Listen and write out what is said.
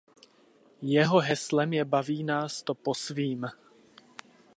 Jeho heslem je "„baví nás to po svým“".